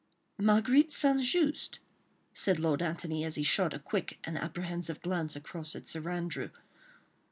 "Marguerite St. Just?" said Lord Antony, as he shot a quick and apprehensive glance across at Sir Andrew.